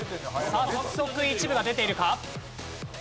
さあ早速一部が出ているか？